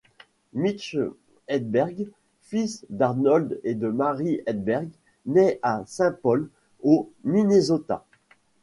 Mitch Hedberg, fils d'Arnold et de Mary Hedberg, naît à Saint Paul, au Minnesota.